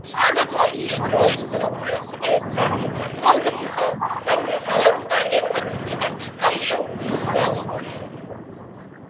ითვლება თავისი დროის მსოფლიოს ერთ-ერთ საუკეთესო ფეხბურთელად და ერთ-ერთ უდიდეს იტალიელ მცველად.